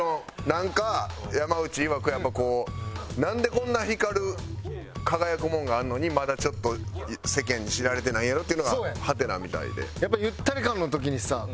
なんか山内いわくやっぱこうなんでこんな光る輝くものがあるのにまだちょっと世間に知られてないんやろうっていうのがハテナみたいで。